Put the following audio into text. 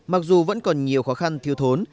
mặc dù vẫn còn nhiều khó khăn thiêu thốn